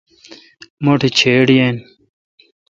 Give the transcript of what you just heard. مٹھ چِھڑ یین۔